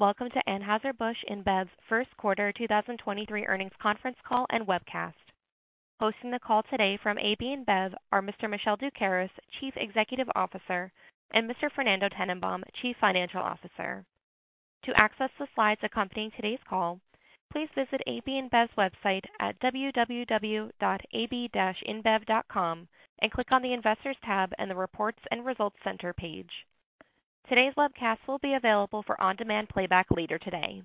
Welcome to Anheuser-Busch InBev's first quarter 2023 earnings conference call and webcast. Hosting the call today from AB InBev are Mr. Michel Doukeris, Chief Executive Officer, and Mr. Fernando Tennenbaum, Chief Financial Officer. To access the slides accompanying today's call, please visit AB InBev's website at www.ab-inbev.com and click on the Investors tab in the Reports and Results Center page. Today's webcast will be available for on-demand playback later today.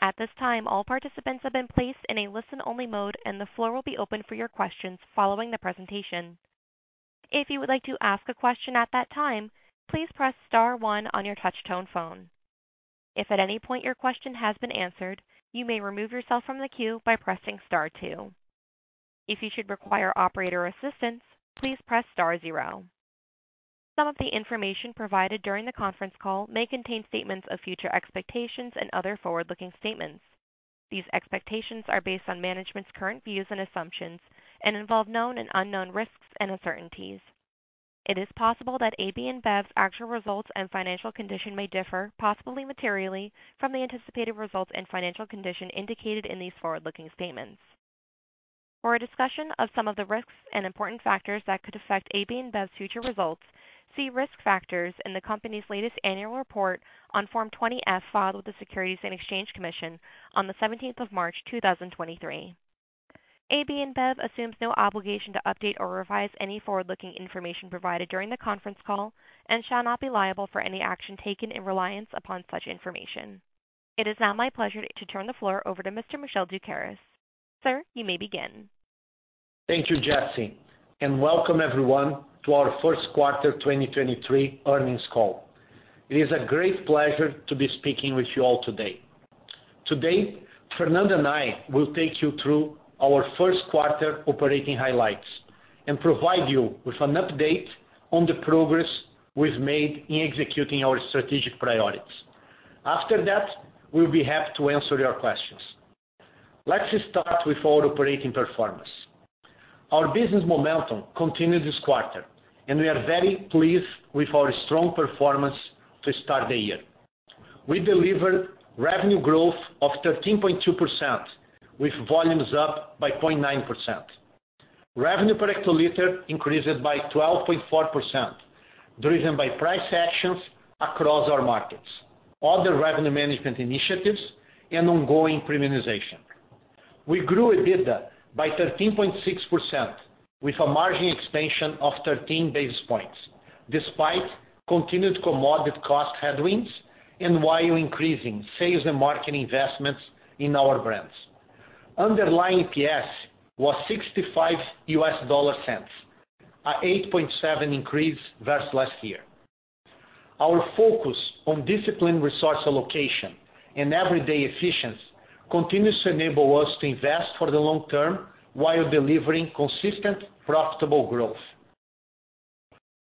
At this time, all participants have been placed in a listen-only mode, the floor will be open for your questions following the presentation. If you would like to ask a question at that time, please press star one on your touch tone phone. If at any point your question has been answered, you may remove yourself from the queue by pressing star two. If you should require operator assistance, please press star zero. Some of the information provided during the conference call may contain statements of future expectations and other forward-looking statements. These expectations are based on management's current views and assumptions and involve known and unknown risks and uncertainties. It is possible that AB InBev's actual results and financial condition may differ, possibly materially, from the anticipated results and financial condition indicated in these forward-looking statements. For a discussion of some of the risks and important factors that could affect AB InBev's future results, see Risk Factors in the company's latest annual report on Form 20-F filed with the Securities and Exchange Commission on the 17th of March 2023. AB InBev assumes no obligation to update or revise any forward-looking information provided during the conference call and shall not be liable for any action taken in reliance upon such information. It is now my pleasure to turn the floor over to Mr. Michel Doukeris. Sir, you may begin. Thank you, Jesse. Welcome everyone to our first quarter 2023 earnings call. It is a great pleasure to be speaking with you all today. Today, Fernando and I will take you through our first quarter operating highlights and provide you with an update on the progress we've made in executing our strategic priorities. After that, we'll be happy to answer your questions. Let's start with our operating performance. Our business momentum continued this quarter. We are very pleased with our strong performance to start the year. We delivered revenue growth of 13.2%, with volumes up by 0.9%. Revenue per hectoliter increases by 12.4%, driven by price actions across our markets, other revenue management initiatives, and ongoing premiumization. We grew EBITDA by 13.6% with a margin expansion of 13 basis points, despite continued commodity cost headwinds and while increasing sales and marketing investments in our brands. Underlying EPS was $0.65, an 8.7% increase versus last year. Our focus on disciplined resource allocation and everyday efficiency continues to enable us to invest for the long term while delivering consistent, profitable growth.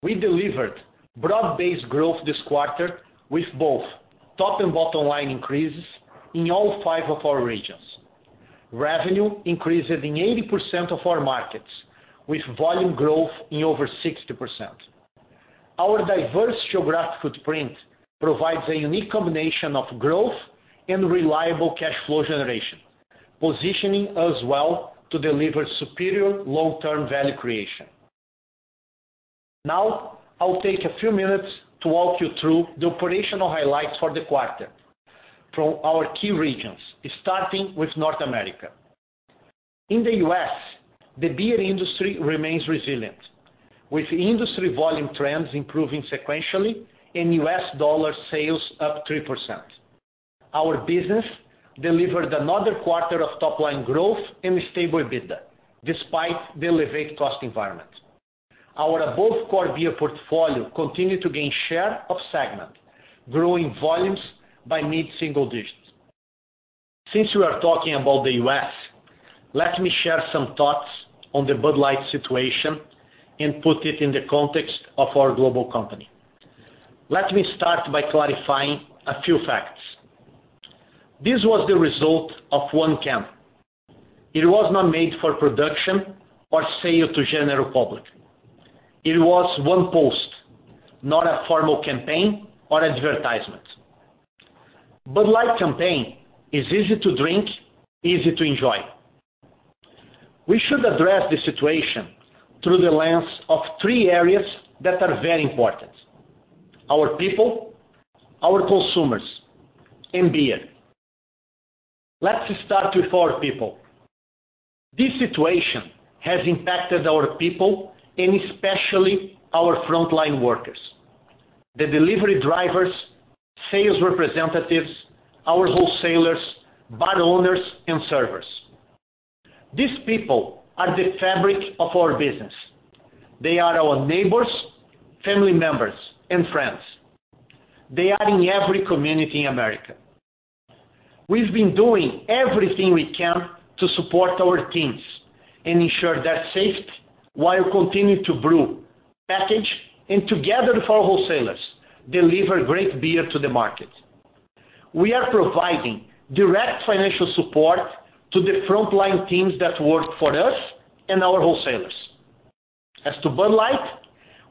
We delivered broad-based growth this quarter with both top and bottom line increases in all five of our regions. Revenue increased in 80% of our markets, with volume growth in over 60%. Our diverse geographic footprint provides a unique combination of growth and reliable cash flow generation, positioning us well to deliver superior long-term value creation. I'll take a few minutes to walk you through the operational highlights for the quarter from our key regions, starting with North America. In the U.S., the beer industry remains resilient, with industry volume trends improving sequentially and U.S. dollar sales up 3%. Our business delivered another quarter of top-line growth and stable EBITDA, despite the elevated cost environment. Our above core beer portfolio continued to gain share of segment, growing volumes by mid-single digits. Since we are talking about the U.S., let me share some thoughts on the Bud Light situation and put it in the context of our global company. Let me start by clarifying a few facts. This was the result of 1 can. It was not made for production or sale to general public. It was 1 post, not a formal campaign or advertisement. Bud Light campaign is easy to drink, easy to enjoy. We should address the situation through the lens of 3 areas that are very important: our people, our consumers, and beer. Let's start with our people. This situation has impacted our people and especially our frontline workers, the delivery drivers, sales representatives, our wholesalers, bar owners and servers. These people are the fabric of our business. They are our neighbors, family members and friends. They are in every community in America. We've been doing everything we can to support our teams and ensure their safety while continuing to brew, package, and together with our wholesalers, deliver great beer to the market. We are providing direct financial support to the frontline teams that work for us and our wholesalers. As to Bud Light,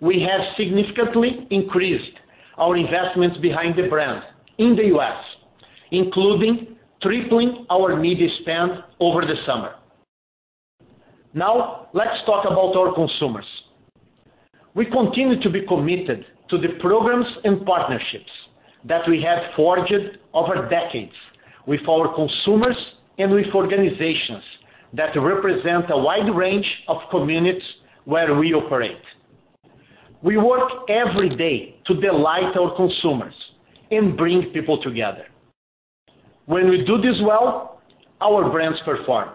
we have significantly increased our investments behind the brand in the US, including tripling our media spend over the summer. Now let's talk about our consumers. We continue to be committed to the programs and partnerships that we have forged over decades with our consumers and with organizations that represent a wide range of communities where we operate. We work every day to delight our consumers and bring people together. When we do this well, our brands perform.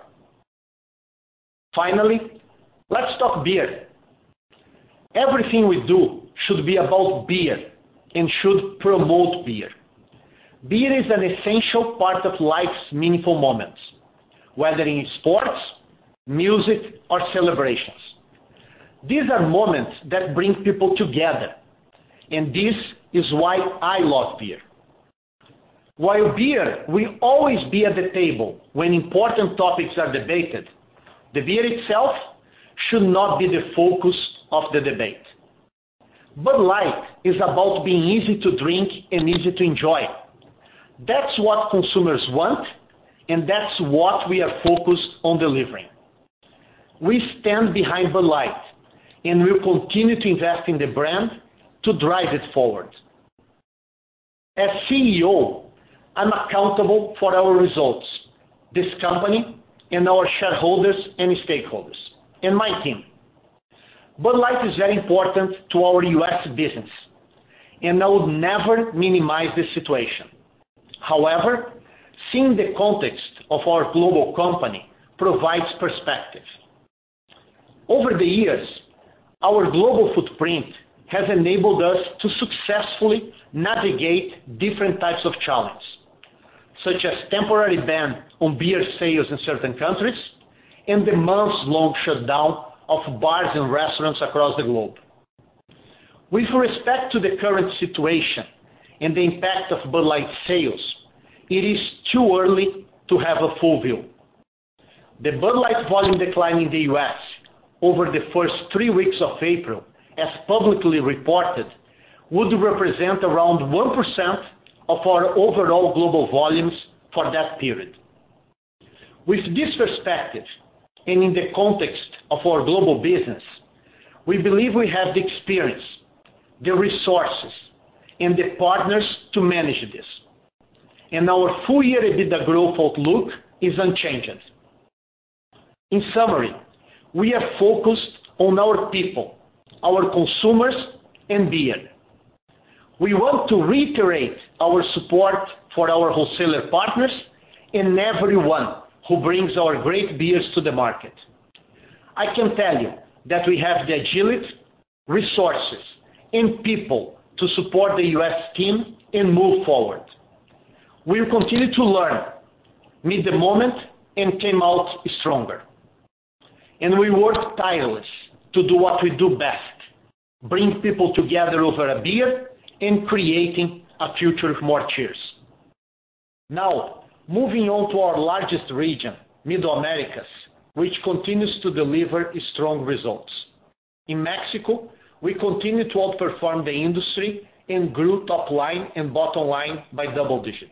Finally, let's talk beer. Everything we do should be about beer and should promote beer. Beer is an essential part of life's meaningful moments, whether in sports, music, or celebrations. These are moments that bring people together, and this is why I love beer. While beer will always be at the table when important topics are debated, the beer itself should not be the focus of the debate. Bud Light is about being easy to drink and easy to enjoy. That's what consumers want, and that's what we are focused on delivering. We stand behind Bud Light. We'll continue to invest in the brand to drive it forward. As CEO, I'm accountable for our results, this company, and our shareholders and stakeholders and my team. Bud Light is very important to our U.S. business. I will never minimize this situation. However, seeing the context of our global company provides perspective. Over the years, our global footprint has enabled us to successfully navigate different types of challenges, such as temporary ban on beer sales in certain countries and the months-long shutdown of bars and restaurants across the globe. With respect to the current situation and the impact of Bud Light sales, it is too early to have a full view. The Bud Light volume decline in the U.S. over the first three weeks of April, as publicly reported, would represent around 1% of our overall global volumes for that period. With this perspective, in the context of our global business, we believe we have the experience, the resources, and the partners to manage this, our full year EBITDA growth outlook is unchanged. In summary, we are focused on our people, our consumers, and beer. We want to reiterate our support for our wholesaler partners and everyone who brings our great beers to the market. I can tell you that we have the agility, resources, and people to support the U.S. team and move forward. We'll continue to learn, meet the moment and come out stronger, we work tireless to do what we do best, bring people together over a beer and creating a future of more cheers. Moving on to our largest region, Middle Americas, which continues to deliver strong results. In Mexico, we continue to outperform the industry and grew top line and bottom line by double digits.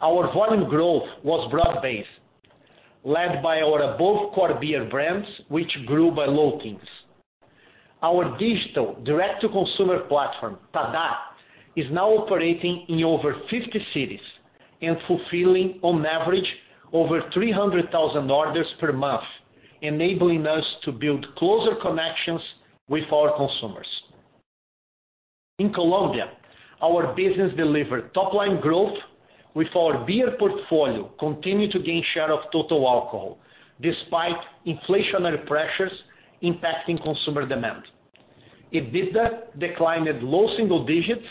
Our volume growth was broad-based, led by our above core beer brands, which grew by low teens. Our digital direct-to-consumer platform, TaDa, is now operating in over 50 cities and fulfilling on average over 300,000 orders per month, enabling us to build closer connections with our consumers. In Colombia, our business delivered top line growth with our beer portfolio continue to gain share of total alcohol despite inflationary pressures impacting consumer demand. EBITDA declined at low single digits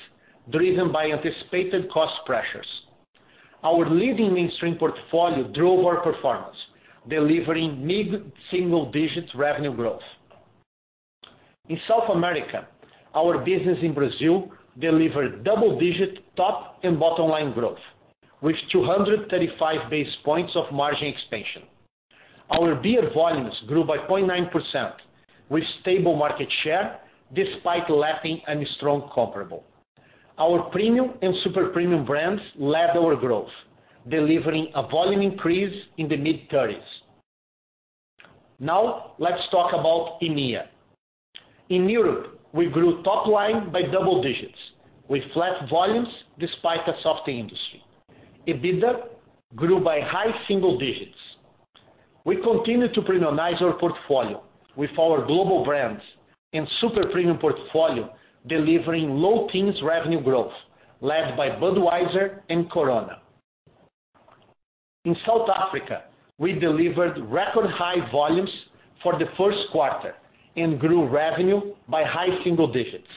driven by anticipated cost pressures. Our leading mainstream portfolio drove our performance, delivering mid-single digit revenue growth. In South America, our business in Brazil delivered double-digit top and bottom line growth with 235 base points of margin expansion. Our beer volumes grew by 0.9% with stable market share despite lacking any strong comparable. Our premium and super premium brands led our growth, delivering a volume increase in the mid-thirties. Let's talk about EMEA. In Europe, we grew top line by double digits with flat volumes despite a soft industry. EBITDA grew by high single digits. We continue to premiumize our portfolio with our global brands and super premium portfolio delivering low teens revenue growth led by Budweiser and Corona. In South Africa, we delivered record high volumes for the first quarter and grew revenue by high single digits.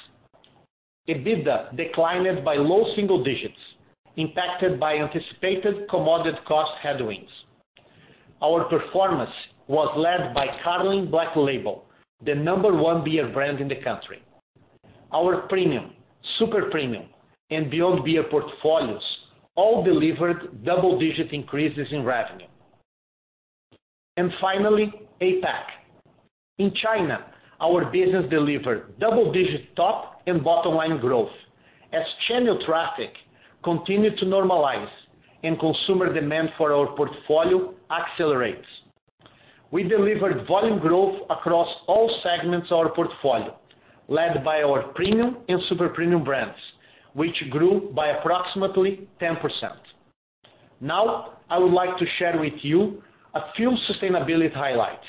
EBITDA declined by low single digits impacted by anticipated commodity cost headwinds. Our performance was led by Carling Black Label, the number 1 beer brand in the country. Our premium, super premium and beyond beer portfolios all delivered double-digit increases in revenue. Finally, APAC. In China, our business delivered double-digit top and bottom line growth as channel traffic continued to normalize and consumer demand for our portfolio accelerates. We delivered volume growth across all segments of our portfolio, led by our premium and super premium brands, which grew by approximately 10%. I would like to share with you a few sustainability highlights.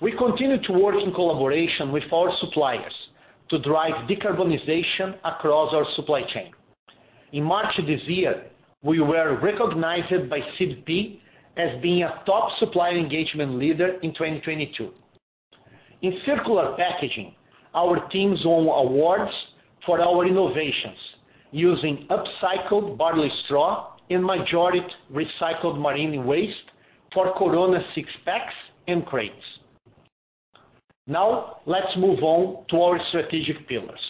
We continue to work in collaboration with our suppliers to drive decarbonization across our supply chain. In March of this year, we were recognized by CDP as being a top supplier engagement leader in 2022. In circular packaging, our teams won awards for our innovations using upcycled barley straw and majority recycled marine waste for Corona six-packs and crates. Let's move on to our strategic pillars.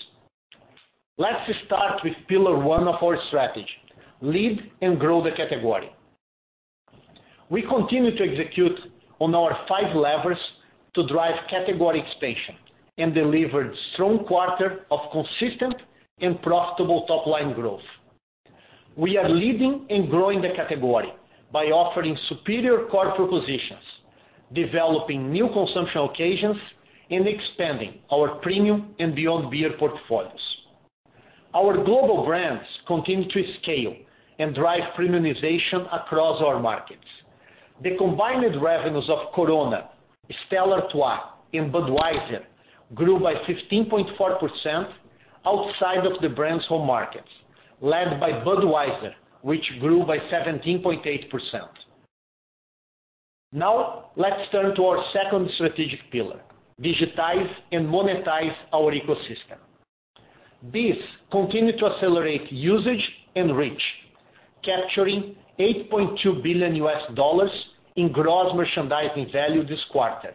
Let's start with pillar 1 of our strategy, lead and grow the category. We continue to execute on our five levers to drive category expansion and delivered strong quarter of consistent and profitable top-line growth. We are leading and growing the category by offering superior core propositions, developing new consumption occasions, and expanding our premium and beyond beer portfolios. Our global brands continue to scale and drive premiumization across our markets. The combined revenues of Corona, Stella Artois, and Budweiser grew by 15.4% outside of the brand's home markets, led by Budweiser, which grew by 17.8%. Let's turn to our second strategic pillar, digitize and monetize our ecosystem. This continued to accelerate usage and reach, capturing $8.2 billion in gross merchandising value this quarter,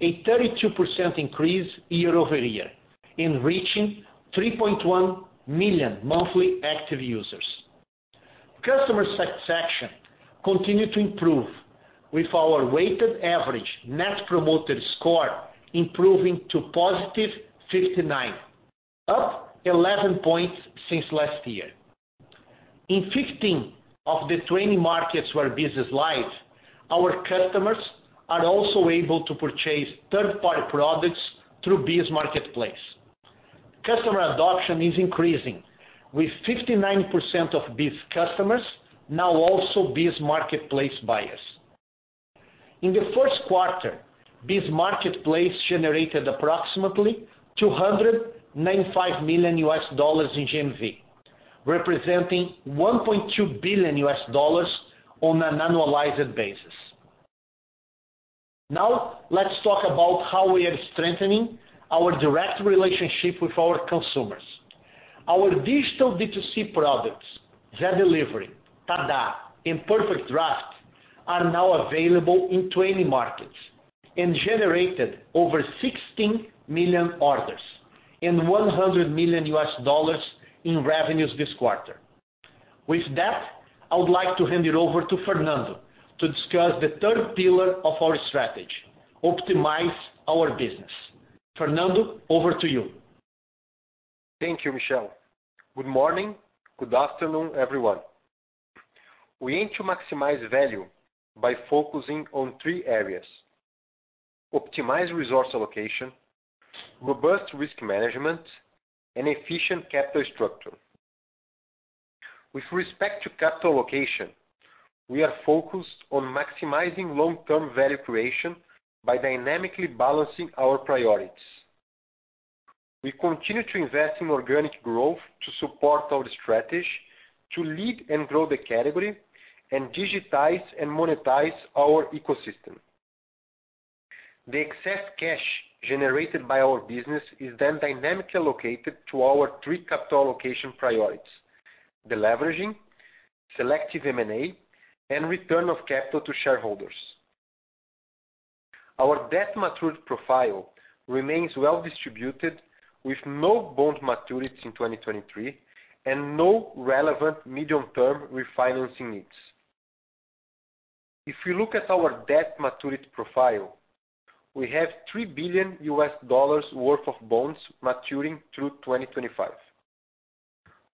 a 32% increase year-over-year in reaching 3.1 million monthly active users. Customer satisfaction continued to improve with our weighted average Net Promoter Score improving to positive 59, up 11 points since last year. In 15 of the 20 markets where business lies, our customers are also able to purchase third-party products through BEES Marketplace. Customer adoption is increasing with 59% of BEES customers now also BEES Marketplace buyers. In the first quarter, BEES Marketplace generated approximately $295 million in GMV, representing $1.2 billion on an annualized basis. Let's talk about how we are strengthening our direct relationship with our consumers. Our digital B2C products, Zé Delivery, TaDa, and PerfectDraft, are now available in 20 markets and generated over 16 million orders and $100 million in revenues this quarter. With that, I would like to hand it over to Fernando to discuss the third pillar of our strategy, optimize our business. Fernando, over to you. Thank you, Michel. Good morning. Good afternoon, everyone. We aim to maximize value by focusing on three areas: optimized resource allocation, robust risk management, and efficient capital structure. With respect to capital allocation, we are focused on maximizing long-term value creation by dynamically balancing our priorities. We continue to invest in organic growth to support our strategy to lead and grow the category and digitize and monetize our ecosystem. The excess cash generated by our business is then dynamically allocated to our three capital allocation priorities: deleveraging, selective M&A, and return of capital to shareholders. Our debt maturity profile remains well-distributed, with no bond maturities in 2023 and no relevant medium-term refinancing needs. If you look at our debt maturity profile, we have $3 billion worth of bonds maturing through 2025.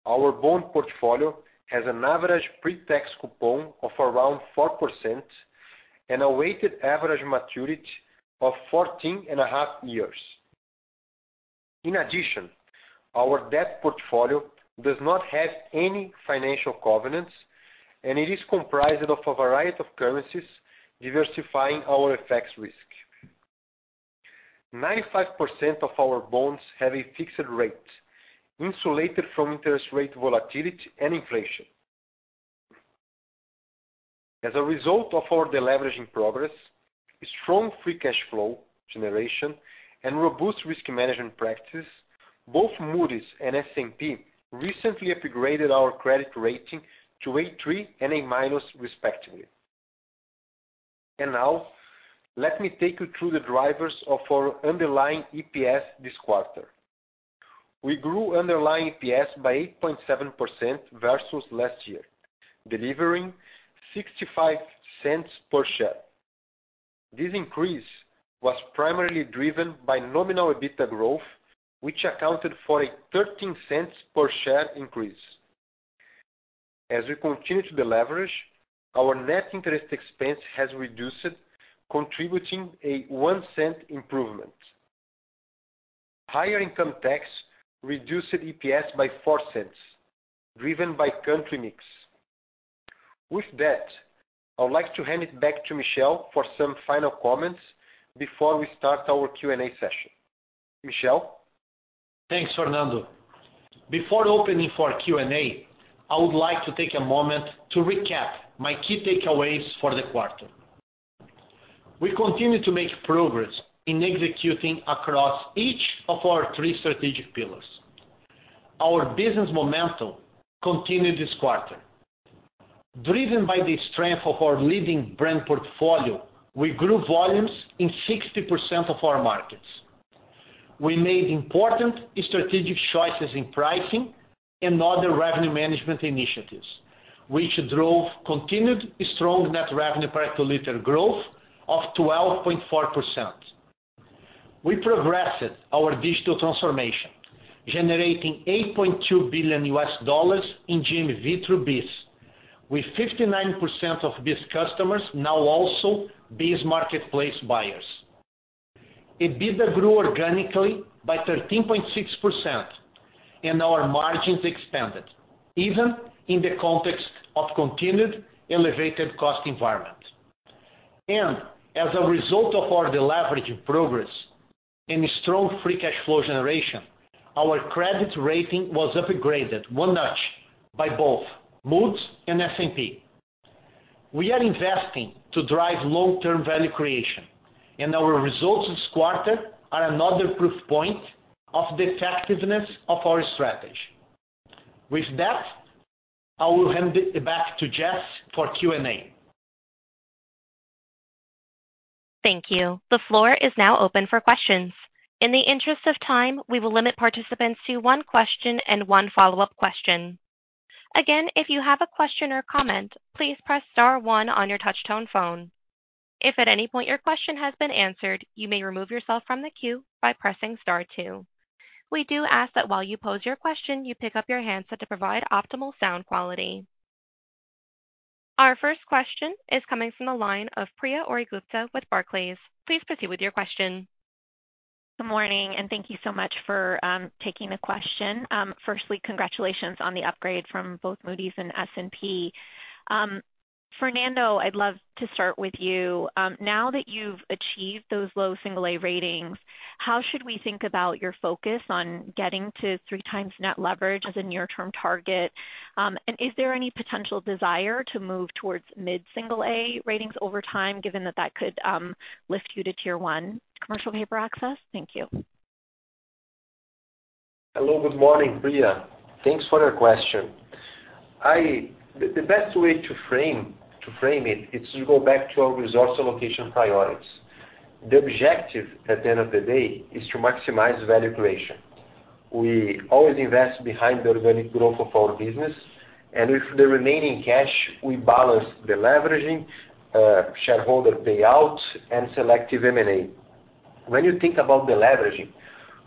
Our bond portfolio has an average pre-tax coupon of around 4% and a weighted average maturity of fourteen and a half years. Our debt portfolio does not have any financial covenants, and it is comprised of a variety of currencies diversifying our FX risk. 95% of our bonds have a fixed rate insulated from interest rate volatility and inflation. As a result of our deleveraging progress, strong free cash flow generation, and robust risk management practices, both Moody's and S&P recently upgraded our credit rating to A3 and A minus respectively. Let me take you through the drivers of our underlying EPS this quarter. We grew underlying EPS by 8.7% versus last year, delivering $0.65 per share. This increase was primarily driven by nominal EBITDA growth, which accounted for a $0.13 per share increase. As we continue to deleverage, our net interest expense has reduced, contributing a $0.01 improvement. Higher income tax reduced EPS by $0.04, driven by country mix. I would like to hand it back to Michel for some final comments before we start our Q&A session. Michel? Thanks, Fernando. Before opening for Q&A, I would like to take a moment to recap my key takeaways for the quarter. We continue to make progress in executing across each of our three strategic pillars. Our business momentum continued this quarter. Driven by the strength of our leading brand portfolio, we grew volumes in 60% of our markets. We made important strategic choices in pricing and other revenue management initiatives, which drove continued strong net revenue per liter growth of 12.4%. We progressed our digital transformation, generating $8.2 billion in GMV through BEES, with 59% of BEES customers now also BEES Marketplace buyers. EBITDA grew organically by 13.6% and our margins expanded even in the context of continued elevated cost environment. As a result of our deleveraging progress and strong free cash flow generation, our credit rating was upgraded 1 notch by both Moody's and S&P. We are investing to drive long-term value creation, and our results this quarter are another proof point of the effectiveness of our strategy. With that, I will hand it back to Jess for Q&A. Thank you. The floor is now open for questions. In the interest of time, we will limit participants to 1 question and 1 follow-up question. Again, if you have a question or comment, please press star 1 on your touch-tone phone. If at any point your question has been answered, you may remove yourself from the queue by pressing star 2. We do ask that while you pose your question, you pick up your handset to provide optimal sound quality. Our first question is coming from the line of Priya Ohri-Gupta with Barclays. Please proceed with your question. Good morning. Thank you so much for taking the question. Firstly, congratulations on the upgrade from both Moody's and S&P. Fernando, I'd love to start with you. Now that you've achieved those low single A ratings, how should we think about your focus on getting to three times net leverage as a near-term target? Is there any potential desire to move towards mid-single A ratings over time, given that that could lift you to tier one commercial paper access? Thank you. Hello. Good morning, Priya. Thanks for your question. The best way to frame it is to go back to our resource allocation priorities. The objective at the end of the day is to maximize value creation. We always invest behind the organic growth of our business, and with the remaining cash, we balance deleveraging, shareholder payout, and selective M&A. When you think about deleveraging,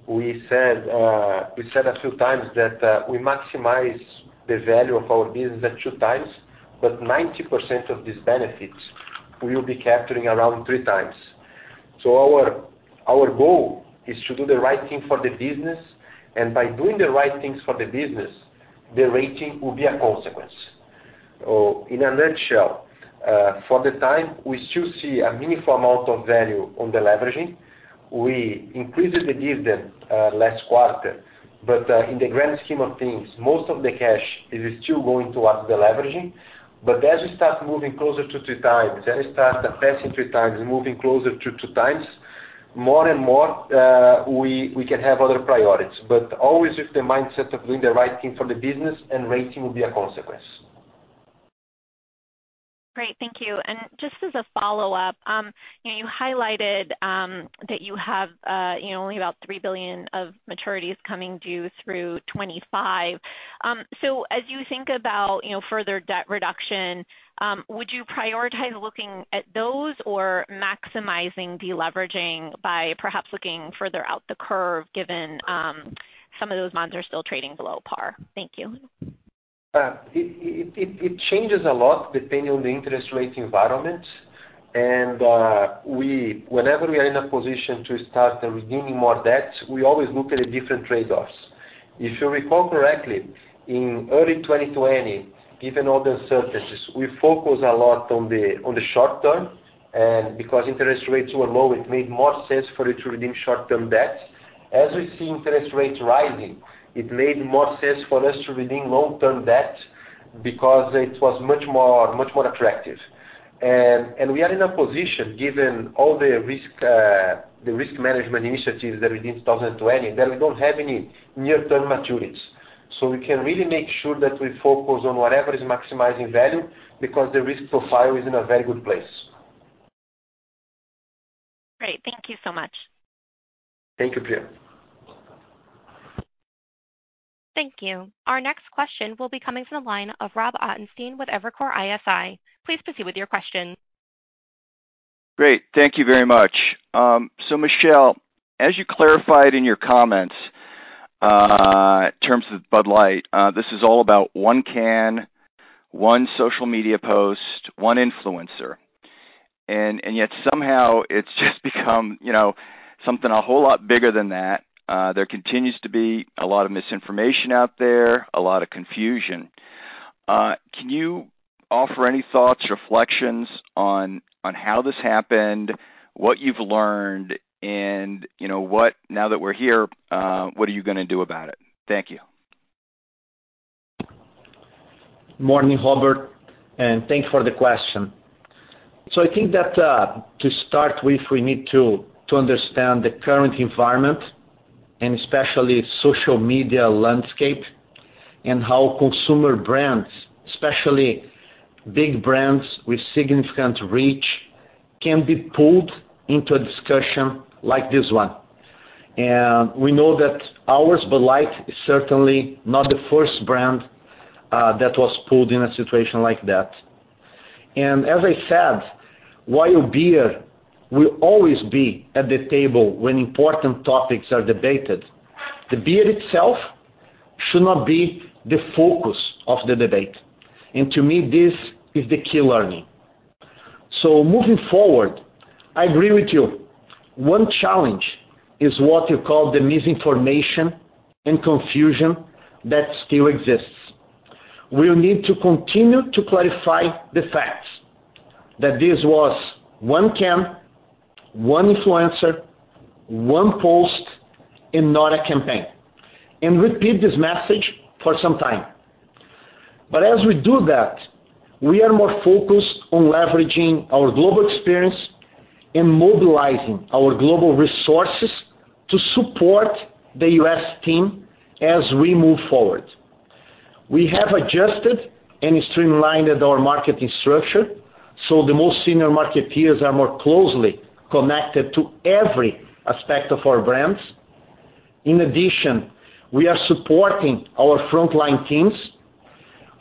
we said a few times that we maximize the value of our business at 2 times, but 90% of these benefits we will be capturing around 3 times. Our goal is to do the right thing for the business, and by doing the right things for the business, the rating will be a consequence. In a nutshell, for the time, we still see a meaningful amount of value on deleveraging. We increased the dividend last quarter, in the grand scheme of things, most of the cash is still going towards deleveraging. As we start moving closer to 2 times and start passing 2 times and moving closer to 2 times, more and more, we can have other priorities. Always with the mindset of doing the right thing for the business and rating will be a consequence. Great. Thank you. Just as a follow-up, you know, you highlighted that you have, you know, only about $3 billion of maturities coming due through 2025. As you think about, you know, further debt reduction, would you prioritize looking at those or maximizing deleveraging by perhaps looking further out the curve given some of those bonds are still trading below par? Thank you. It changes a lot depending on the interest rate environment. Whenever we are in a position to start redeeming more debts, we always look at the different trade-offs. If you recall correctly, in early 2020, given all the uncertainties, we focused a lot on the short term, because interest rates were low, it made more sense for it to redeem short-term debts. As we see interest rates rising, it made more sense for us to redeem long-term debt because it was much more attractive. We are in a position, given all the risk management initiatives that we did in 2020, that we don't have any near-term maturities. We can really make sure that we focus on whatever is maximizing value because the risk profile is in a very good place. Great. Thank you so much. Thank you, Pia. Thank you. Our next question will be coming from the line of Rob Ottenstein with Evercore ISI. Please proceed with your question. Great. Thank you very much. So Michel, as you clarified in your comments, in terms of Bud Light, this is all about one can, one social media post, one influencer. Yet somehow it's just become, you know, something a whole lot bigger than that. There continues to be a lot of misinformation out there, a lot of confusion. Can you offer any thoughts, reflections on how this happened, what you've learned, and you know what now that we're here, what are you gonna do about it? Thank you. Morning, Robert, and thanks for the question. I think that, to start with, we need to understand the current environment and especially social media landscape and how consumer brands, especially big brands with significant reach, can be pulled into a discussion like this one. We know that ours, Bud Light, is certainly not the first brand that was pulled in a situation like that. As I said, while beer will always be at the table when important topics are debated, the beer itself should not be the focus of the debate. To me, this is the key learning. Moving forward, I agree with you. One challenge is what you call the misinformation and confusion that still exists. We'll need to continue to clarify the facts that this was 1 can, 1 influencer, 1 post, and not a campaign, and repeat this message for some time. As we do that, we are more focused on leveraging our global experience and mobilizing our global resources to support the US team as we move forward. We have adjusted and streamlined our marketing structure, so the most senior marketeers are more closely connected to every aspect of our brands. In addition, we are supporting our frontline teams.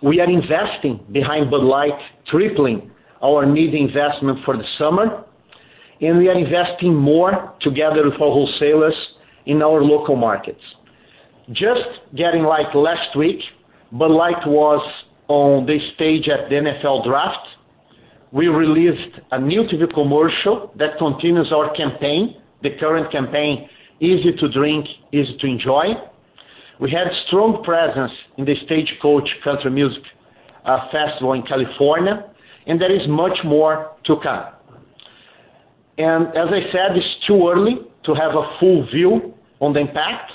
We are investing behind Bud Light, tripling our media investment for the summer, and we are investing more together with our wholesalers in our local markets. Just getting like last week, Bud Light was on the stage at the NFL Draft. We released a new TV commercial that continues our campaign, the current campaign, Easy to Drink, Easy to Enjoy. We had strong presence in the Stagecoach Country Music Festival in California, and there is much more to come. As I said, it's too early to have a full view on the impact,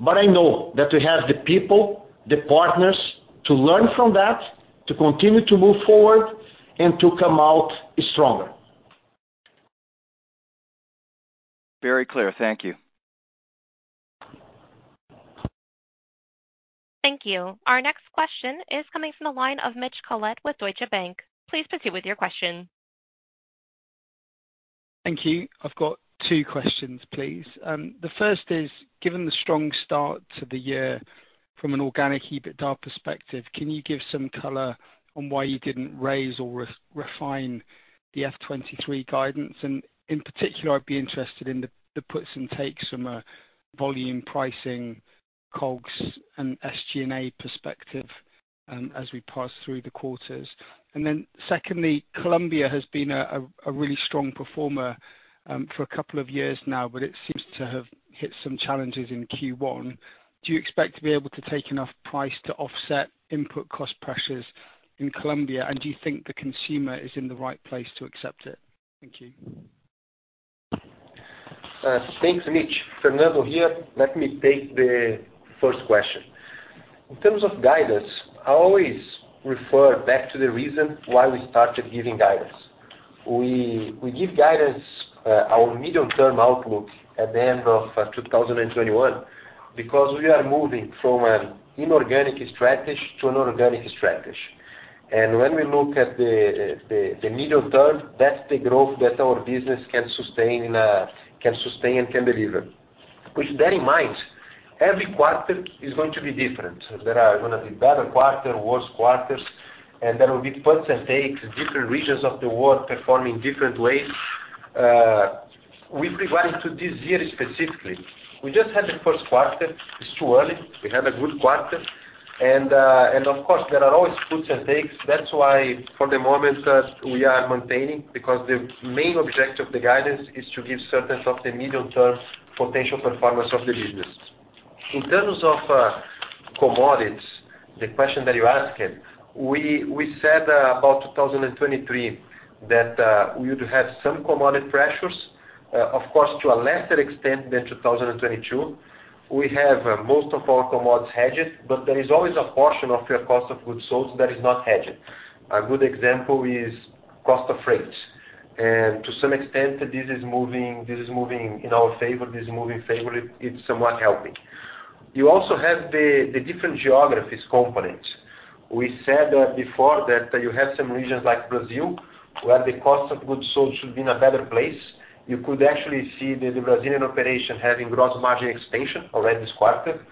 but I know that we have the people, the partners to learn from that, to continue to move forward and to come out stronger. Very clear. Thank you. Thank you. Our next question is coming from the line of Mitch Collett with Deutsche Bank. Please proceed with your question. Thank you. I've got 2 questions, please. The first is, given the strong start to the year from an organic EBITDA perspective, can you give some color on why you didn't raise or refine the 2023 guidance? In particular, I'd be interested in the puts and takes from a volume pricing, COGS and SG&A perspective, as we pass through the quarters. Secondly, Colombia has been a really strong performer for a couple of years now, but it seems to have hit some challenges in Q1. Do you expect to be able to take enough price to offset input cost pressures in Colombia, and do you think the consumer is in the right place to accept it? Thank you. Thanks, Mitch. Fernando here. Let me take the first question. In terms of guidance, I always refer back to the reason why we started giving guidance. We give guidance, our medium-term outlook at the end of 2021 because we are moving from an inorganic strategy to an organic strategy. When we look at the medium term, that's the growth that our business can sustain and can deliver. With that in mind, every quarter is gonna be different. There are gonna be better quarter, worse quarters, and there will be puts and takes, different regions of the world performing different ways. With regard to this year specifically, we just had the first quarter. It's too early. We had a good quarter. Of course, there are always puts and takes. That's why for the moment, we are maintaining because the main objective of the guidance is to give certainty of the medium-term potential performance of the business. In terms of commodities, the question that you asked, we said about 2023 that we would have some commodity pressures, of course, to a lesser extent than 2022. We have most of our commodities hedged, but there is always a portion of your cost of goods sold that is not hedged. A good example is cost of freight. To some extent, this is moving in our favor. This is moving favor. It's somewhat helping. You also have the different geographies component. We said that before that you have some regions like Brazil, where the cost of goods sold should be in a better place. You could actually see the Brazilian operation having gross margin expansion already this quarter,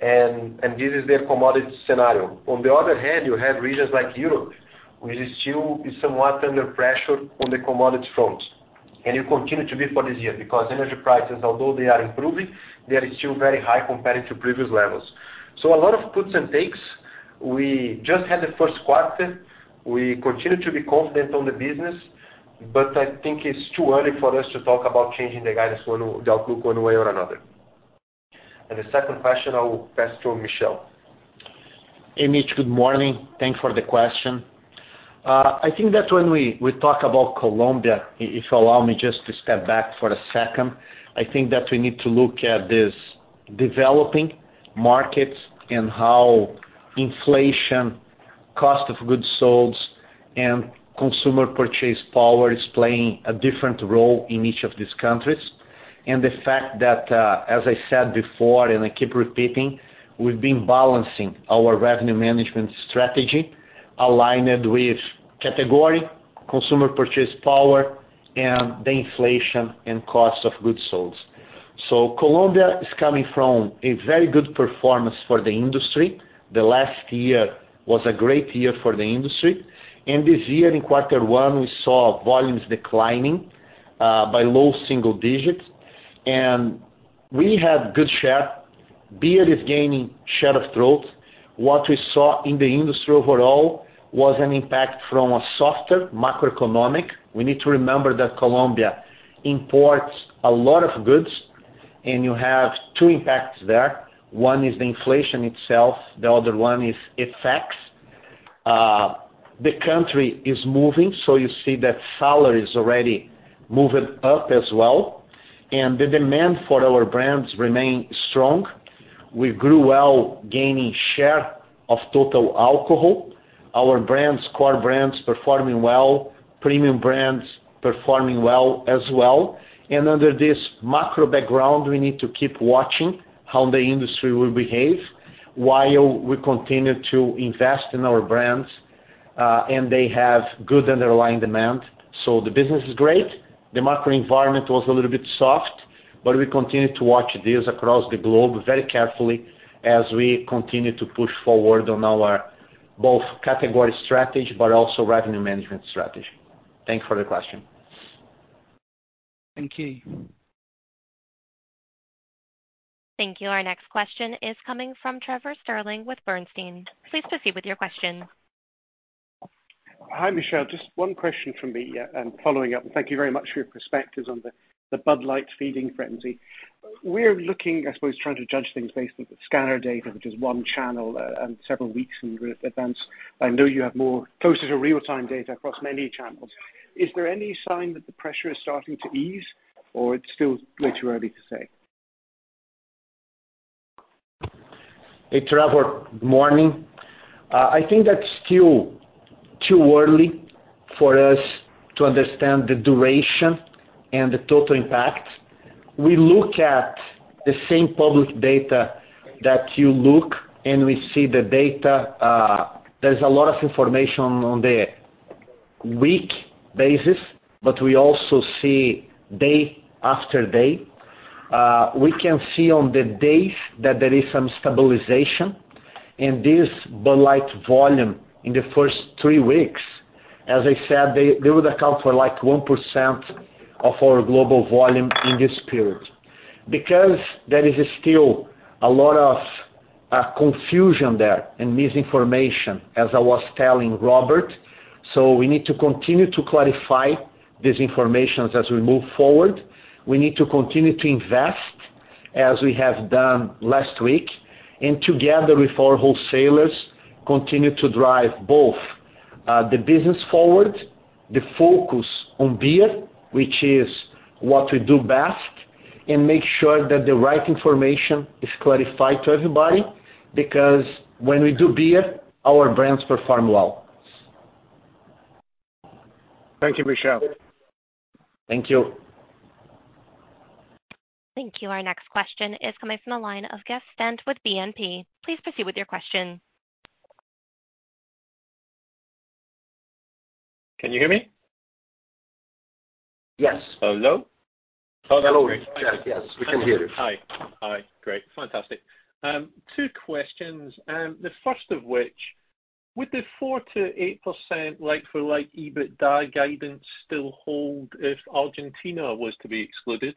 and this is their commodity scenario. On the other hand, you have regions like Europe, which is still somewhat under pressure on the commodity front, and you continue to be for this year because energy prices, although they are improving, they are still very high compared to previous levels. A lot of puts and takes. We just had the first quarter. We continue to be confident on the business, but I think it's too early for us to talk about changing the guidance the outlook one way or another. The second question I will pass to Michel. Hey, Mitch, good morning. Thanks for the question. I think that when we talk about Colombia, if you allow me just to step back for a second, I think that we need to look at this developing markets and how inflation, cost of goods sold, and consumer purchase power is playing a different role in each of these countries. The fact that, as I said before, and I keep repeating, we've been balancing our revenue management strategy, aligned with category, consumer purchase power, and the inflation and cost of goods sold. Colombia is coming from a very good performance for the industry. The last year was a great year for the industry. This year in quarter one, we saw volumes declining by low single digits. We have good share. Beer is gaining share of throat. What we saw in the industry overall was an impact from a softer macroeconomic. We need to remember that Colombia imports a lot of goods. You have two impacts there. One is the inflation itself, the other one is FX. The country is moving. You see that salary is already moving up as well. The demand for our brands remain strong. We grew well gaining share of total alcohol. Our brands, core brands, performing well. Premium brands performing well as well. Under this macro background, we need to keep watching how the industry will behave while we continue to invest in our brands. They have good underlying demand. The business is great. The macro environment was a little bit soft, but we continue to watch this across the globe very carefully as we continue to push forward on our both category strategy but also revenue management strategy. Thank for the question. Thank you. Thank you. Our next question is coming from Trevor Stirling with Bernstein. Please proceed with your question. Hi, Michel. Just 1 question from me. Following up, thank you very much for your perspectives on the Bud Light feeding frenzy. We're looking, I suppose, trying to judge things based on the scanner data, which is 1 channel and several weeks in advance. I know you have more closer to real-time data across many channels. Is there any sign that the pressure is starting to ease or it's still way too early to say? Hey, Trevor. Morning. I think that's still too early for us to understand the duration and the total impact. We look at the same public data that you look, and we see the data. There's a lot of information on the week basis, but we also see day after day. We can see on the days that there is some stabilization. This Bud Light volume in the first three weeks, as I said, they would account for, like, 1% of our global volume in this period. There is still a lot of confusion there and misinformation, as I was telling Robert. We need to continue to clarify this information as we move forward. We need to continue to invest as we have done last week. Together with our wholesalers, continue to drive both, the business forward, the focus on beer, which is what we do best, and make sure that the right information is clarified to everybody, because when we do beer, our brands perform well. Thank you, Michel. Thank you. Thank you. Our next question is coming from the line of Jeff Stent with BNP. Please proceed with your question. Can you hear me? Yes. Hello? Hello. Yes. Yes. We can hear you. Hi. Hi. Great. Fantastic. Two questions, the first of which, would the 4%-8% like for like EBITDA guidance still hold if Argentina was to be excluded?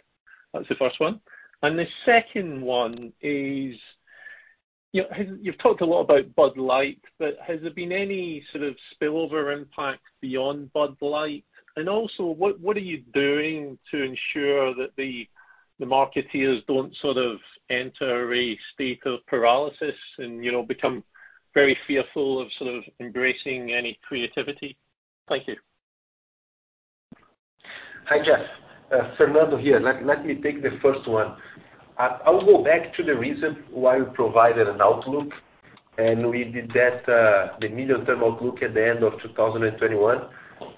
That's the first one. The second one is, you know, you've talked a lot about Bud Light, but has there been any sort of spillover impact beyond Bud Light? Also, what are you doing to ensure that the marketeers don't sort of enter a state of paralysis and, you know, become very fearful of sort of embracing any creativity? Thank you. Hi, Jeff. Fernando here. Let me take the first one. I'll go back to the reason why we provided an outlook We did that, the medium-term outlook at the end of 2021.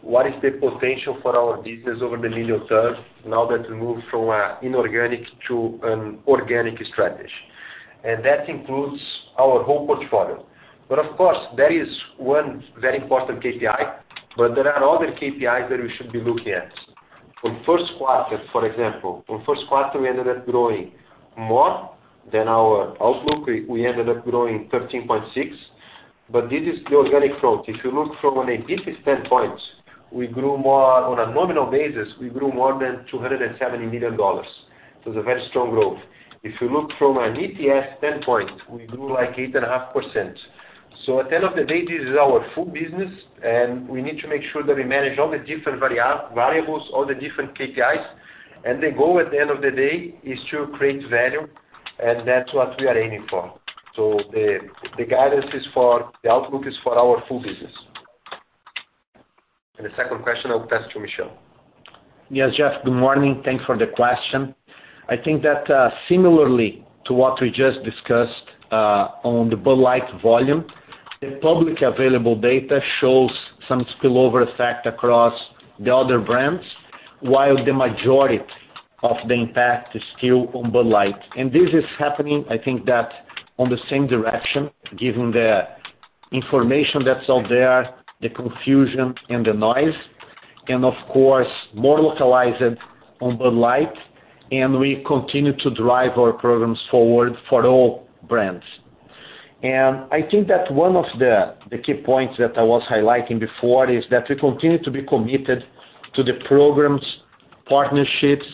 What is the potential for our business over the medium term now that we move from an inorganic to an organic strategy? That includes our whole portfolio. Of course, there is one very important KPI, but there are other KPIs that we should be looking at. From first quarter, for example. From first quarter, we ended up growing more than our outlook. We ended up growing 13.6, but this is the organic growth. If you look from an EBITDA standpoint, we grew more on a nominal basis, we grew more than $270 million. It was a very strong growth. If you look from an EPS standpoint, we grew like 8.5%. At the end of the day, this is our full business, and we need to make sure that we manage all the different variables, all the different KPIs. The goal at the end of the day is to create value, and that's what we are aiming for. The outlook is for our full business. The second question, I'll pass to Michel. Yes, Jeff, good morning. Thanks for the question. I think that, similarly to what we just discussed on the Bud Light volume, the public available data shows some spillover effect across the other brands, while the majority of the impact is still on Bud Light. This is happening, I think that on the same direction, given the information that's out there, the confusion and the noise, and of course, more localized on Bud Light, and we continue to drive our programs forward for all brands. I think that one of the key points that I was highlighting before is that we continue to be committed to the programs, partnerships,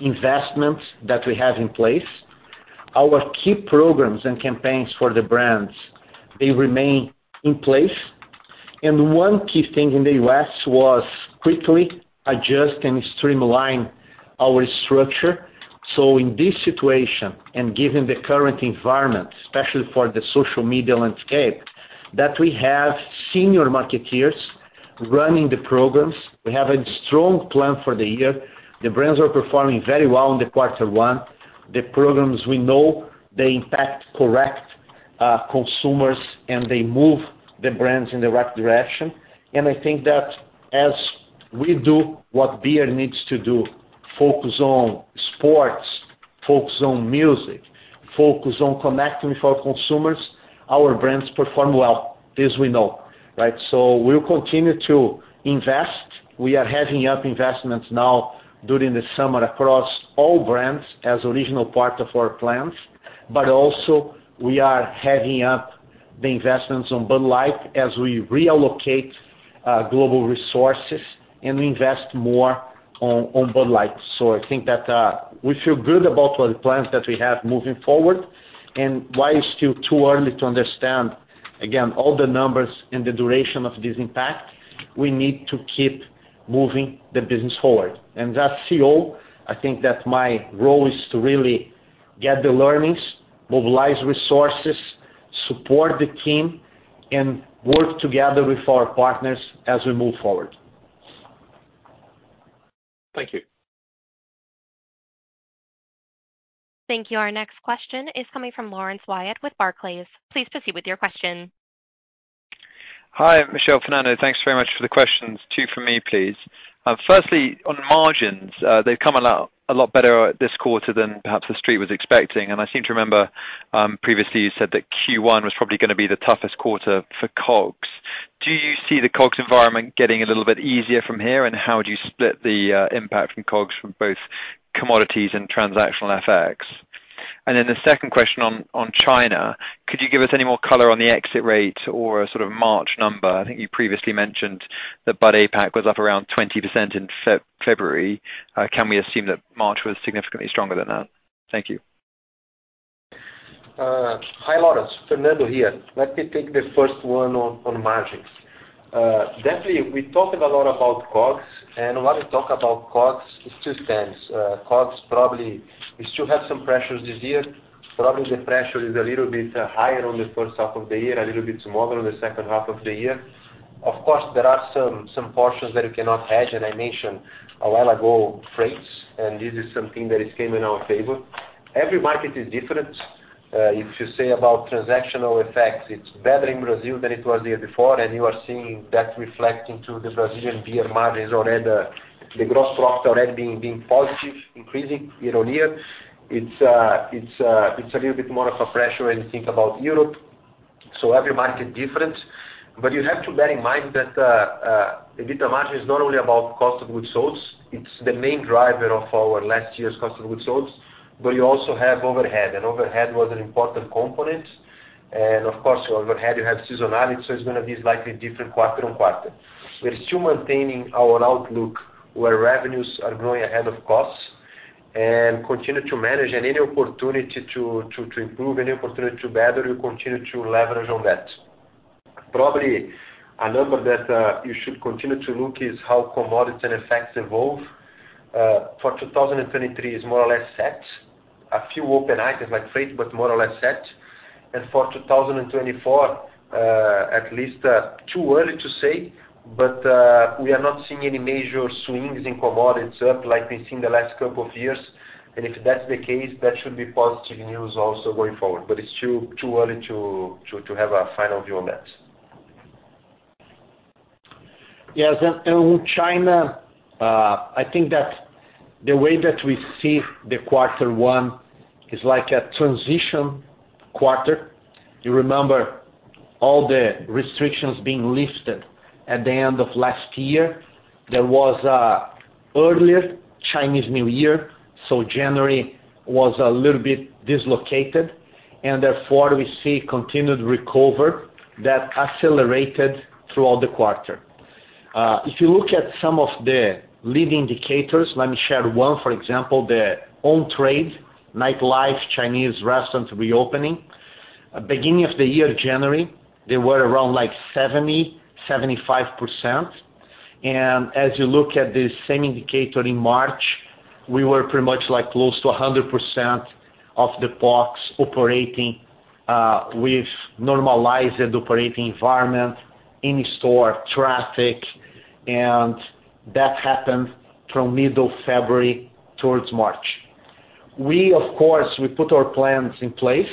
investments that we have in place. Our key programs and campaigns for the brands, they remain in place. One key thing in the U.S. was quickly adjust and streamline our structure. In this situation, and given the current environment, especially for the social media landscape, that we have senior marketeers running the programs. We have a strong plan for the year. The brands are performing very well in the quarter one. The programs we know, they impact correct consumers, and they move the brands in the right direction. I think that as we do what beer needs to do, focus on sports, focus on music, focus on connecting with our consumers, our brands perform well, this we know, right? We'll continue to invest. We are heading up investments now during the summer across all brands as original part of our plans. Also we are heading up the investments on Bud Light as we reallocate global resources and invest more on Bud Light. I think that we feel good about the plans that we have moving forward. While it's still too early to understand, again, all the numbers and the duration of this impact, we need to keep moving the business forward. As CEO, I think that my role is to really get the learnings, mobilize resources, support the team, and work together with our partners as we move forward. Thank you. Thank you. Our next question is coming from Laurence Whyatt with Barclays. Please proceed with your question. Hi, Michel, Fernando. Thanks very much for the questions. 2 for me, please. Firstly, on margins, they've come a lot better this quarter than perhaps the street was expecting. I seem to remember, previously you said that Q1 was probably gonna be the toughest quarter for COGS. Do you see the COGS environment getting a little bit easier from here? How would you split the impact from COGS from both commodities and transactional effects? The second question on China. Could you give us any more color on the exit rate or a sort of March number? I think you previously mentioned that Bud APAC was up around 20% in February. Can we assume that March was significantly stronger than that? Thank you. Hi, Laurence. Fernando here. Let me take the first one on margins. Definitely we talked a lot about COGS, when we talk about COGS, it's two stands. COGS probably, we still have some pressures this year. Probably the pressure is a little bit higher on the first half of the year, a little bit smaller on the second half of the year. Of course, there are some portions that you cannot hedge, and I mentioned a while ago, freights, and this is something that came in our favor. Every market is different. If you say about transactional effects, it's better in Brazil than it was the year before, and you are seeing that reflecting to the Brazilian beer margins already. The gross profit already being positive, increasing year-on-year. It's a little bit more of a pressure when you think about Europe. Every market different. You have to bear in mind that EBITDA margin is not only about cost of goods sold, it's the main driver of our last year's cost of goods sold. You also have overhead, and overhead was an important component. Of course, overhead, you have seasonality, so it's gonna be slightly different quarter on quarter. We're still maintaining our outlook, where revenues are growing ahead of costs, and continue to manage. Any opportunity to improve, any opportunity to better, we continue to leverage on that. Probably a number that you should continue to look is how commodity effects evolve. For 2023, it's more or less set. A few open items like freight, but more or less set. For 2024, at least, too early to say, but we are not seeing any major swings in commodity itself like we've seen the last couple of years. If that's the case, that should be positive news also going forward. It's too early to have a final view on that. Yes. China, I think that the way that we see the quarter one is like a transition quarter. You remember all the restrictions being lifted at the end of last year. There was a earlier Chinese New Year, so January was a little bit dislocated, and therefore, we see continued recovery that accelerated throughout the quarter. If you look at some of the lead indicators, let me share one. For example, the own trade, nightlife, Chinese restaurants reopening. Beginning of the year, January, they were around like 70%-75%. As you look at the same indicator in March, we were pretty much like close to 100% of the POCs operating, with normalized operating environment in store traffic. That happened from middle February towards March. We of course, we put our plans in place.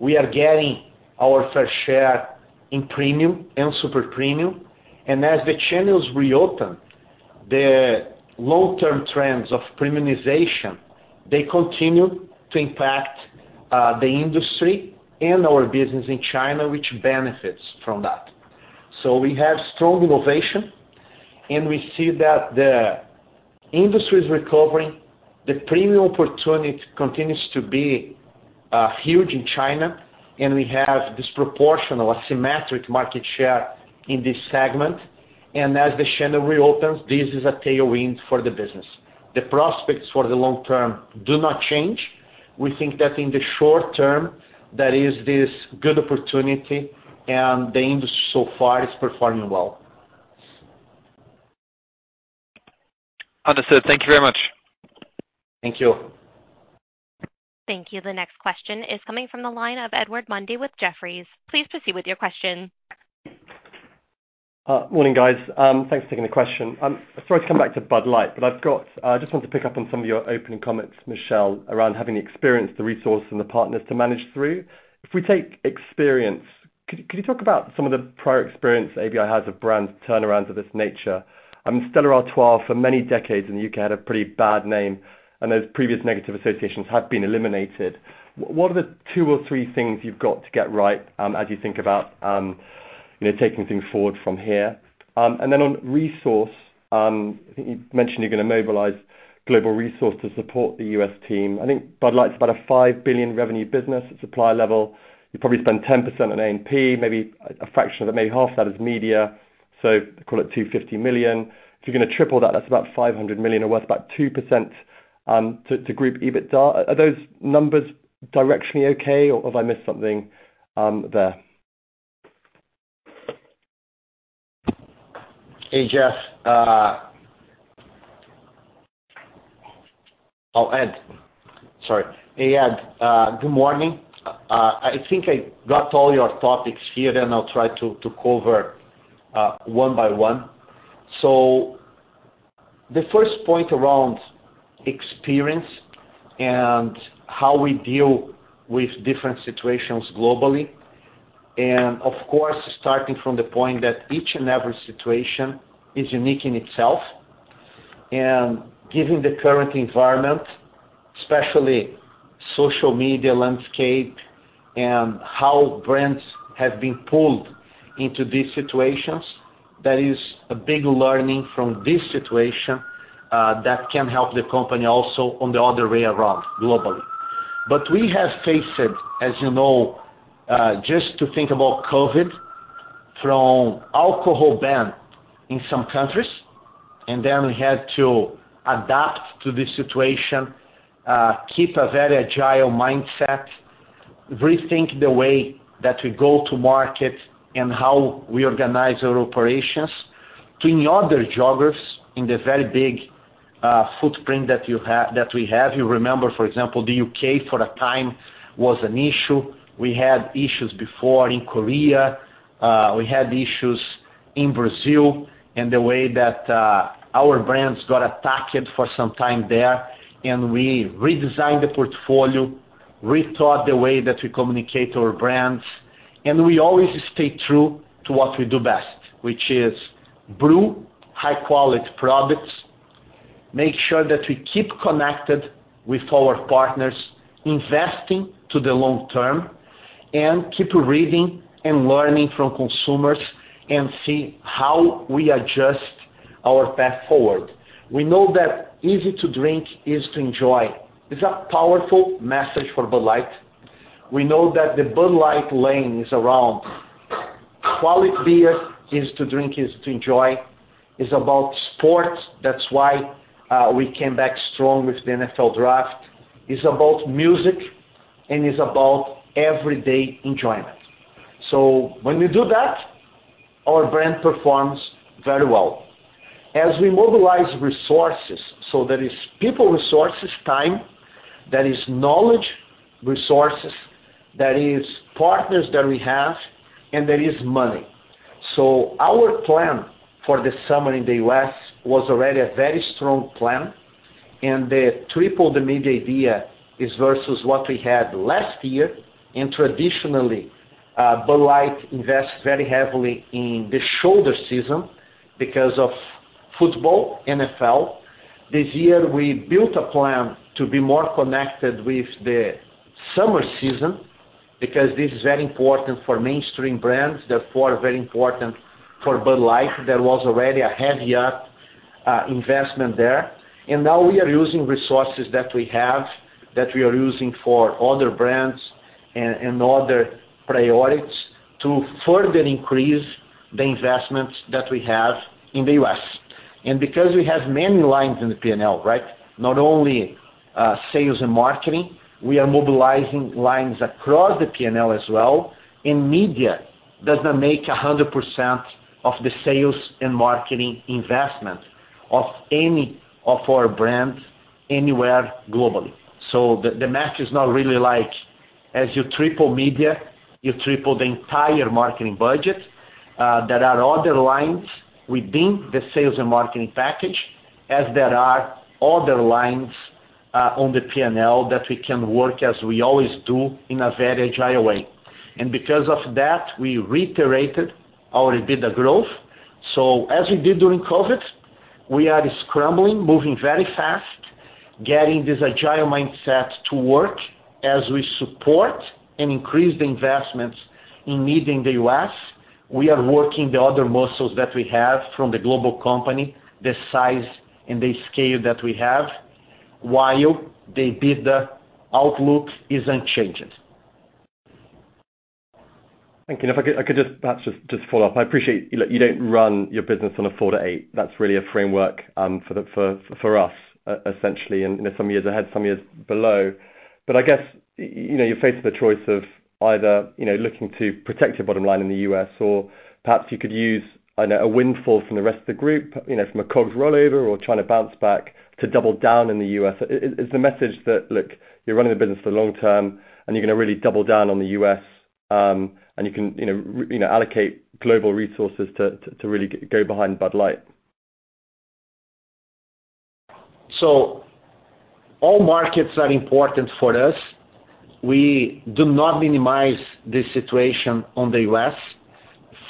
We are getting our fair share in premium and super premium. As the channels reopen, the long-term trends of premiumization, they continue to impact the industry and our business in China, which benefits from that. We have strong innovation, and we see that the industry is recovering. The premium opportunity continues to be huge in China, and we have disproportionate or asymmetric market share in this segment. As the channel reopens, this is a tailwind for the business. The prospects for the long term do not change. We think that in the short term there is this good opportunity and the industry so far is performing well. Understood. Thank you very much. Thank you. Thank you. The next question is coming from the line of Edward Mundy with Jefferies. Please proceed with your question. Morning, guys. Thanks for taking the question. Sorry to come back to Bud Light, but I just want to pick up on some of your opening comments, Michel, around having the experience, the resource and the partners to manage through. If we take experience, could you talk about some of the prior experience ABI has of brands turnarounds of this nature? I mean, Stella Artois for many decades in the U.K. had a pretty bad name, and those previous negative associations have been eliminated. What are the two or three things you've got to get right, as you think about, you know, taking things forward from here? Then on resource, I think you mentioned you're gonna mobilize global resource to support the U.S. team. I think Bud Light's about a $5 billion revenue business at supply level. You probably spend 10% on A&P, maybe a fraction of that, maybe half that is media. Call it $250 million. You're gonna triple that's about $500 million or worth about 2% to group EBITDA. Are those numbers directionally okay, or have I missed something there? Oh, Ed. Sorry. Hey, Ed. Good morning. I think I got all your topics here, and I'll try to cover one by one. The first point around experience and how we deal with different situations globally. Of course, starting from the point that each and every situation is unique in itself. Given the current environment, especially social media landscape and how brands have been pulled into these situations, that is a big learning from this situation that can help the company also on the other way around globally. We have faced, as you know, just to think about COVID, from alcohol ban in some countries, and then we had to adapt to this situation, keep a very agile mindset, rethink the way that we go to market and how we organize our operations. To any other geographers in the very big footprint that we have, you remember, for example, the U.K. for a time was an issue. We had issues before in Korea. We had issues in Brazil and the way that our brands got attacked for some time there. We redesigned the portfolio, rethought the way that we communicate our brands, and we always stay true to what we do best, which is brew high-quality products, make sure that we keep connected with our partners, investing to the long term, and keep reading and learning from consumers and see how we adjust our path forward. We know that easy to drink is to enjoy. It's a powerful message for Bud Light. We know that the Bud Light lane is around quality beer is to drink, is to enjoy, is about sports. That's why we came back strong with the NFL Draft. It's about music, and it's about everyday enjoyment. When we do that, our brand performs very well. As we mobilize resources, there is people resources, time, there is knowledge resources, there is partners that we have, and there is money. Our plan for the summer in the US was already a very strong plan, and the triple the media idea is versus what we had last year. Traditionally, Bud Light invests very heavily in the shoulder season because of football, NFL. This year, we built a plan to be more connected with the summer season because this is very important for mainstream brands, therefore very important for Bud Light. There was already a heavy up investment there. Now we are using resources that we have, that we are using for other brands and other priorities to further increase the investments that we have in the U.S. Because we have many lines in the P&L, right? Not only sales and marketing, we are mobilizing lines across the P&L as well, and media does not make 100% of the sales and marketing investment of any of our brands anywhere globally. The match is not really like as you triple media, you triple the entire marketing budget. There are other lines within the sales and marketing package as there are other lines on the P&L that we can work as we always do in a very agile way. Because of that, we reiterated our EBITDA growth. As we did during COVID, we are scrambling, moving very fast, getting this agile mindset to work as we support and increase the investments in media in the U.S., we are working the other muscles that we have from the global company, the size and the scale that we have, while the EBITDA outlook is unchanged. Thank you. If I could just perhaps just follow up. I appreciate you don't run your business on a 4-8. That's really a framework for us essentially, and some years ahead, some years below. I guess, you know, you're faced with a choice of either, you know, looking to protect your bottom line in the US or perhaps you could use a windfall from the rest of the group, you know, from a COGS rollover or trying to bounce back to double down in the US. Is the message that, look, you're running a business for long term, and you're gonna really double down on the US, and you can, you know, allocate global resources to really go behind Bud Light? All markets are important for us. We do not minimize the situation on the U.S.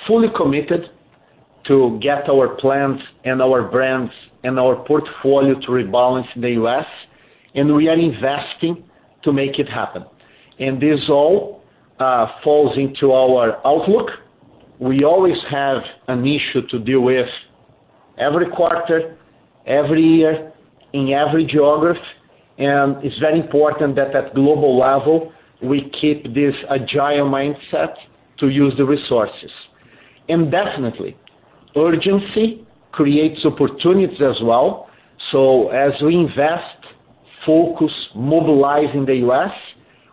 Fully committed to get our plans and our brands and our portfolio to rebalance in the U.S., and we are investing to make it happen. This all falls into our outlook. We always have an issue to deal with every quarter, every year in every geography. It's very important that at global level, we keep this agile mindset to use the resources. Definitely, urgency creates opportunities as well. As we invest, focus, mobilize in the U.S.,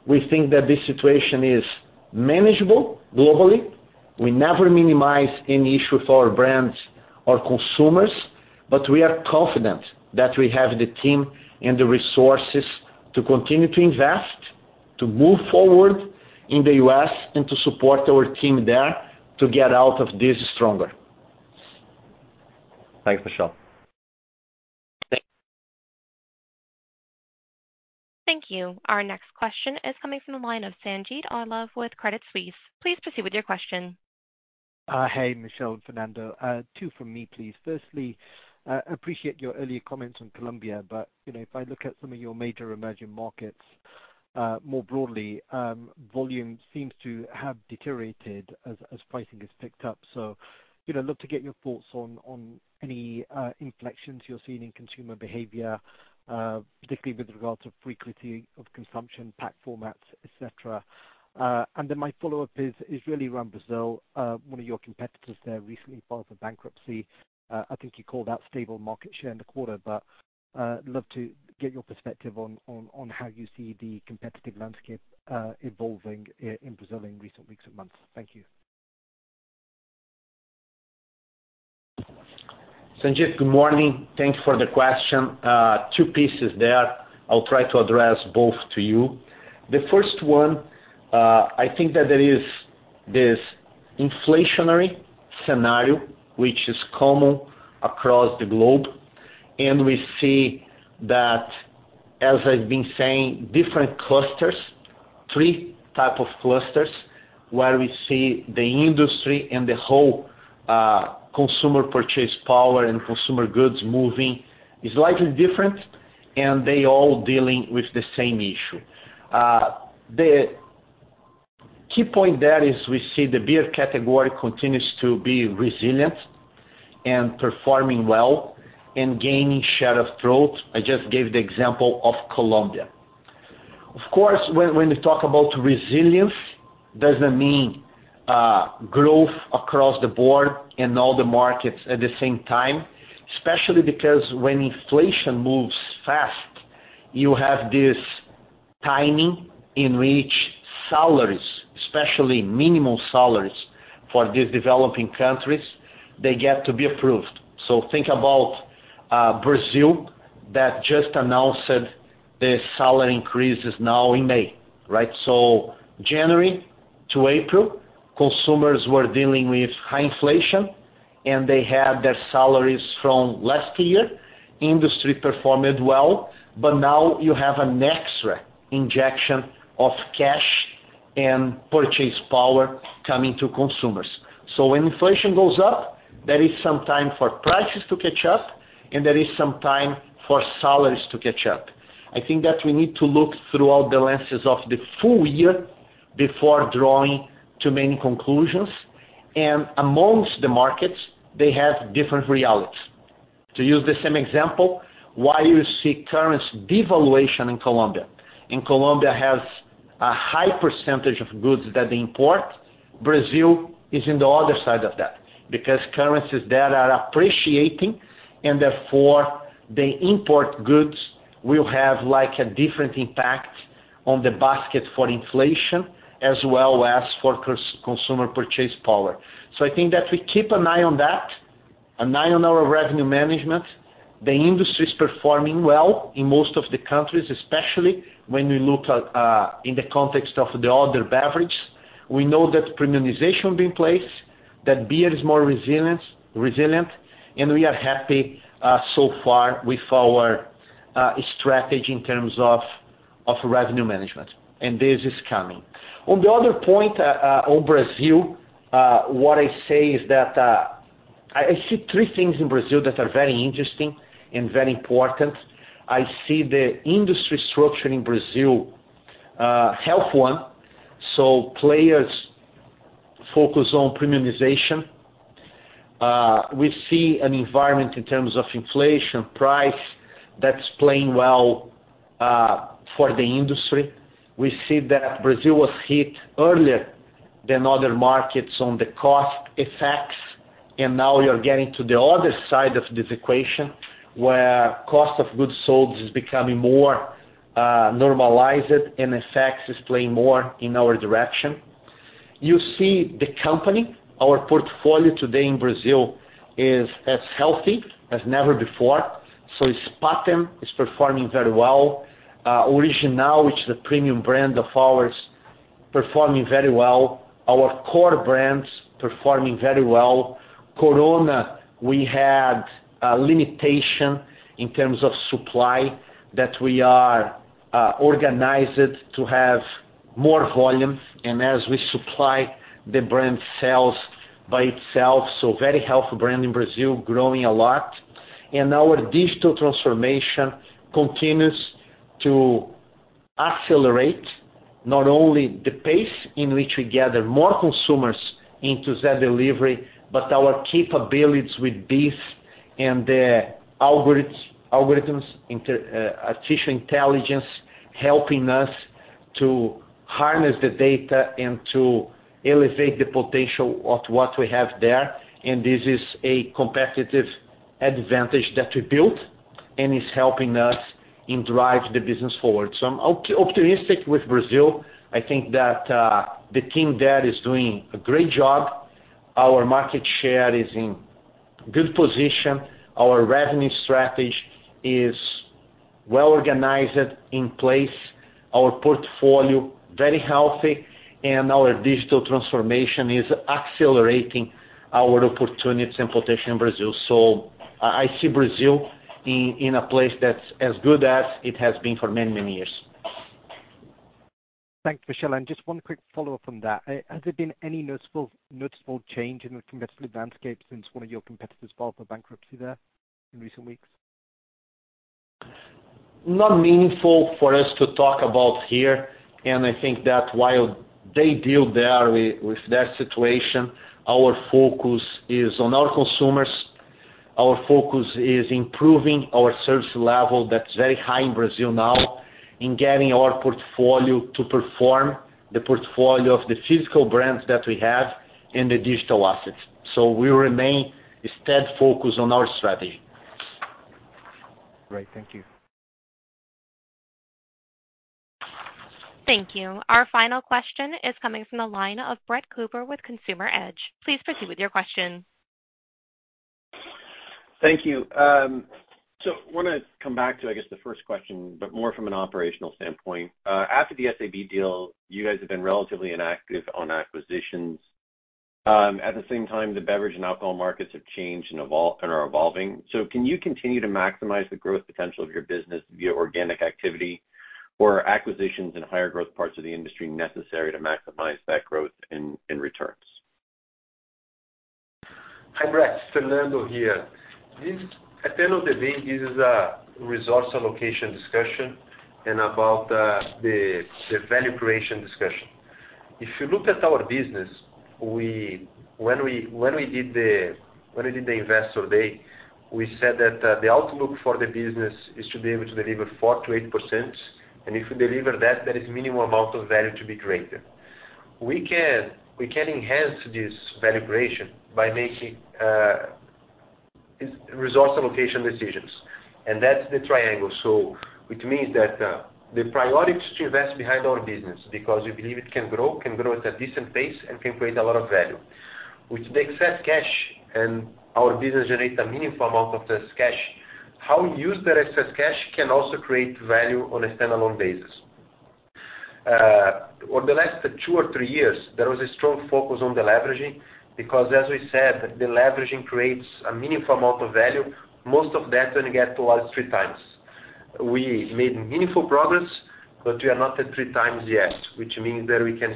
we think that this situation is manageable globally. We never minimize any issue with our brands or consumers, but we are confident that we have the team and the resources to continue to invest, to move forward in the U.S., and to support our team there to get out of this stronger. Thanks, Michel. Thank you. Our next question is coming from the line of Sanjeet Aujla with Credit Suisse. Please proceed with your question. Hey, Michel and Fernando. Two from me, please. Firstly, appreciate your earlier comments on Colombia, you know, if I look at some of your major emerging markets, more broadly, volume seems to have deteriorated as pricing has picked up. You know, I'd love to get your thoughts on any inflections you're seeing in consumer behavior, particularly with regards of frequency of consumption, pack formats, et cetera. My follow-up is really around Brazil. One of your competitors there recently filed for bankruptcy. I think you called out stable market share in the quarter, love to get your perspective on how you see the competitive landscape evolving in Brazil in recent weeks and months. Thank you. Sanjeet, good morning. Thanks for the question. two pieces there. I'll try to address both to you. The first one, I think that there is this inflationary scenario which is common across the globe, and we see that, as I've been saying, different clusters, three type of clusters, where we see the industry and the whole, consumer purchase power and consumer goods moving is slightly different, and they all dealing with the same issue. The key point there is we see the beer category continues to be resilient and performing well and gaining share of throat. I just gave the example of Colombia. Of course, when we talk about resilience, doesn't mean, growth across the board in all the markets at the same time, especially because when inflation moves fast, you have this timing in which salaries, especially minimum salaries for these developing countries, they get to be approved. Think about, Brazil that just announced that the salary increase is now in May, right? January to April, consumers were dealing with high inflation, and they had their salaries from last year. Industry performed well, but now you have an extra injection of cash and purchase power coming to consumers. When inflation goes up, there is some time for prices to catch up, and there is some time for salaries to catch up. I think that we need to look throughout the lenses of the full year before drawing too many conclusions. Amongst the markets, they have different realities. To use the same example, while you see currency devaluation in Colombia, and Colombia has a high percentage of goods that they import. Brazil is in the other side of that because currencies there are appreciating, and therefore, the import goods will have, like, a different impact on the basket for inflation as well as for consumer purchase power. I think that we keep an eye on that, an eye on our revenue management. The industry is performing well in most of the countries, especially when we look at in the context of the other beverage. We know that premiumization will be in place, that beer is more resilient, and we are happy so far with our strategy in terms of revenue management. This is coming. On the other point, on Brazil, what I say is that, I see 3 things in Brazil that are very interesting and very important. I see the industry structure in Brazil, health one, players focus on premiumization. We see an environment in terms of inflation price that's playing well for the industry. We see that Brazil was hit earlier than other markets on the cost effects, and now you're getting to the other side of this equation, where cost of goods sold is becoming more normalized, and effects is playing more in our direction. You see the company, our portfolio today in Brazil is as healthy as never before. Spaten is performing very well. Original, which is a premium brand of ours, performing very well. Our core brands performing very well. Corona, we had a limitation in terms of supply that we are organized to have more volume. As we supply the brand sales by itself, very healthy brand in Brazil, growing a lot. Our digital transformation continues to accelerate not only the pace in which we gather more consumers into Zé Delivery, but our capabilities with this and the algorithms, artificial intelligence helping us to harness the data and to elevate the potential of what we have there. This is a competitive advantage that we built and is helping us in drive the business forward. I'm optimistic with Brazil. I think that the team there is doing a great job. Our market share is in good position. Our revenue strategy is well-organized, in place. Our portfolio, very healthy, and our digital transformation is accelerating our opportunities and potential in Brazil. I see Brazil in a place that's as good as it has been for many years. Thanks, Michel. Just one quick follow-up on that. Has there been any noticeable change in the competitive landscape since one of your competitors filed for bankruptcy there in recent weeks? Not meaningful for us to talk about here. I think that while they deal there with that situation, our focus is on our consumers. Our focus is improving our service level that's very high in Brazil now, in getting our portfolio to perform the portfolio of the physical brands that we have and the digital assets. We remain a steady focus on our strategy. Great. Thank you. Thank you. Our final question is coming from the line of Brett Cooper with Consumer Edge. Please proceed with your question. Thank you. Wanna come back to, I guess, the first question, but more from an operational standpoint. After the SABMiller deal, you guys have been relatively inactive on acquisitions. At the same time, the beverage and alcohol markets have changed and evolved and are evolving. Can you continue to maximize the growth potential of your business via organic activity or acquisitions in higher growth parts of the industry necessary to maximize that growth in returns? Hi, Brett. Fernando here. At the end of the day, this is a resource allocation discussion and about the value creation discussion. If you look at our business, when we did the Investor Day, we said that the outlook for the business is to be able to deliver 4%-8%. If we deliver that, there is minimum amount of value to be created. We can enhance this value creation by making resource allocation decisions, and that's the triangle. Which means that the priority to invest behind our business because we believe it can grow at a decent pace, and can create a lot of value. With the excess cash, and our business generates a meaningful amount of excess cash, how we use that excess cash can also create value on a standalone basis. Over the last two or three years, there was a strong focus on the leveraging because as we said, the leveraging creates a meaningful amount of value, most of that when you get to us three times. We made meaningful progress, we are not at three times yet, which means that we can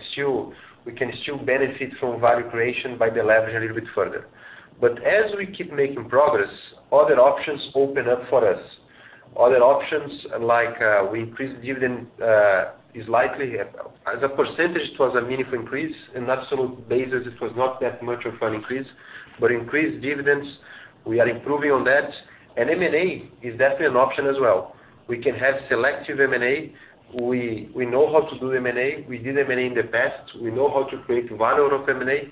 still benefit from value creation by the leverage a little bit further. As we keep making progress, other options open up for us. Other options like we increase dividend is likely. As a percentage, it was a meaningful increase. In absolute basis, it was not that much of an increase, increased dividends, we are improving on that. M&A is definitely an option as well. We can have selective M&A. We know how to do M&A. We did M&A in the past. We know how to create value out of M&A.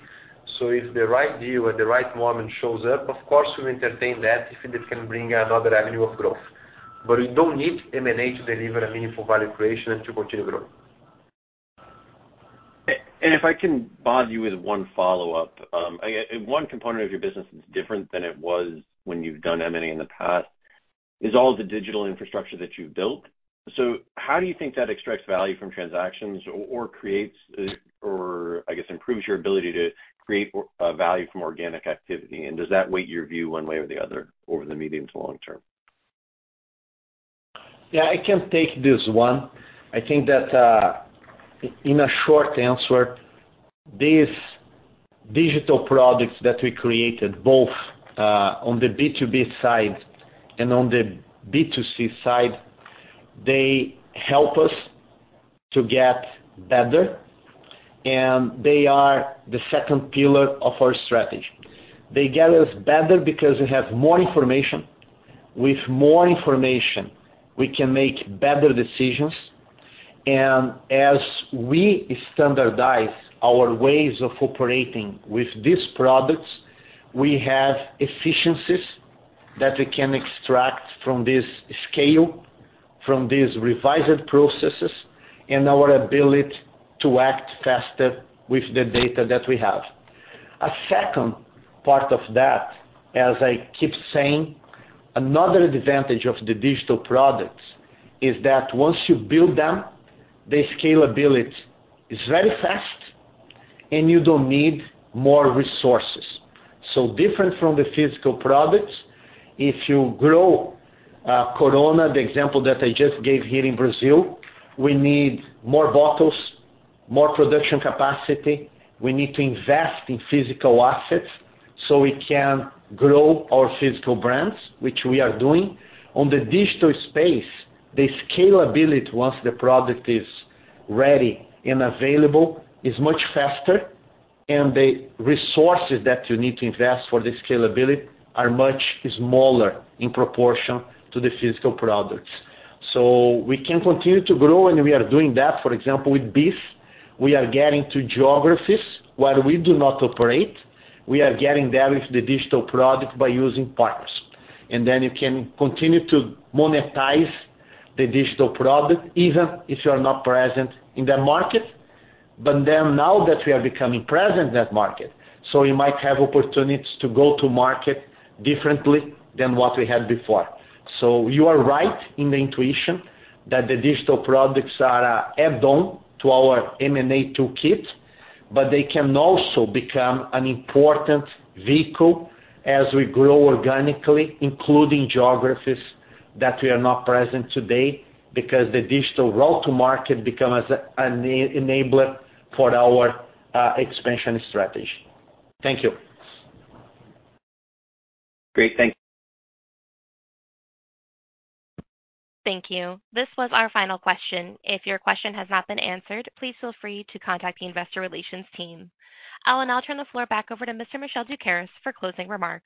If the right deal at the right moment shows up, of course, we entertain that if it can bring another avenue of growth. We don't need M&A to deliver a meaningful value creation and to continue growing. If I can bother you with one follow-up. One component of your business is different than it was when you've done M&A in the past, is all the digital infrastructure that you've built. How do you think that extracts value from transactions or creates or I guess improves your ability to create value from organic activity? Does that weight your view one way or the other over the medium to long term? Yeah, I can take this one. I think that, in a short answer, these digital products that we created, both on the B2B side and on the B2C side, they help us to get better, and they are the second pillar of our strategy. They get us better because we have more information. With more information, we can make better decisions. As we standardize our ways of operating with these products, we have efficiencies that we can extract from this scale, from these revised processes, and our ability to act faster with the data that we have. A second part of that, as I keep saying, another advantage of the digital products is that once you build them, the scalability is very fast, and you don't need more resources. Different from the physical products, if you grow Corona, the example that I just gave here in Brazil, we need more bottles, more production capacity. We need to invest in physical assets so we can grow our physical brands, which we are doing. On the digital space, the scalability, once the product is ready and available, is much faster, and the resources that you need to invest for the scalability are much smaller in proportion to the physical products. We can continue to grow, and we are doing that, for example, with BEES. We are getting to geographies where we do not operate. We are getting there with the digital product by using partners. Then you can continue to monetize the digital product, even if you are not present in that market. Now that we are becoming present in that market, so we might have opportunities to go to market differently than what we had before. You are right in the intuition that the digital products are, add on to our M&A toolkit, but they can also become an important vehicle as we grow organically, including geographies that we are not present today, because the digital route to market becomes an enabler for our expansion strategy. Thank you. Great. Thank you. Thank you. This was our final question. If your question has not been answered, please feel free to contact the investor relations team. I will now turn the floor back over to Mr. Michel Doukeris for closing remarks.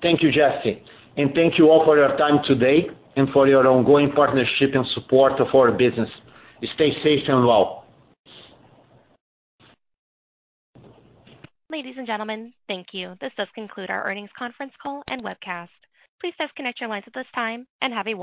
Thank you, Jesse, and thank you all for your time today and for your ongoing partnership and support of our business. Stay safe and well. Ladies and gentlemen, thank you. This does conclude our earnings conference call and webcast. Please disconnect your lines at this time and have a wonderful day.